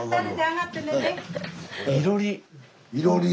いろり。